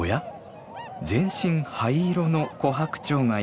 全身灰色のコハクチョウがいます。